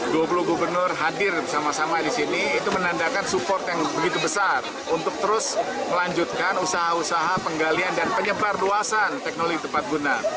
dua puluh gubernur hadir bersama sama di sini itu menandakan support yang begitu besar untuk terus melanjutkan usaha usaha penggalian dan penyebar luasan teknologi tepat guna